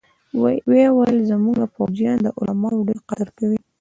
ويې ويل زمونګه فوجيان د علماوو ډېر قدر کوي.